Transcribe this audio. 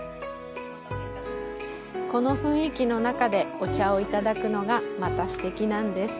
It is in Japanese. この雰囲気の中でお茶をいただくのがまたすてきなんです。